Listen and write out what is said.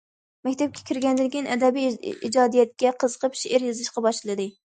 مەكتەپكە كىرگەندىن كېيىن ئەدەبىي ئىجادىيەتكە قىزىقىپ شېئىر يېزىشقا باشلىدى.